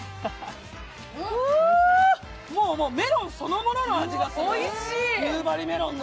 もうメロンそのものの味がする、夕張メロンの。